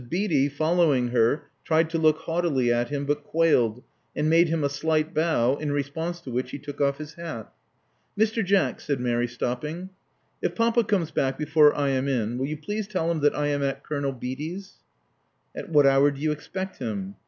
Beatty, following her, tried to look haughtily at him, but quailed, and made him a slight bow, in response to which he took off his hat. Mr. Jack," said Mary, stopping: if papa comes bac^j: before I am in, will you please tell him that I am at Colonel Beatty 's." At what hour do you expect him?"